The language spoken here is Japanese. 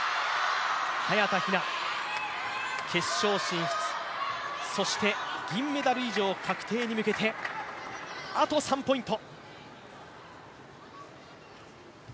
早田ひな、決勝進出、そして銀メダル以上確定に向けて、あと３ポイント。